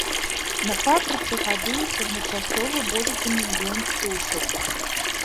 На фабрыцы гадуюць адначасова больш за мільён птушак.